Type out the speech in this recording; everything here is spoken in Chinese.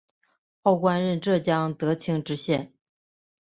后官任浙江德清知县。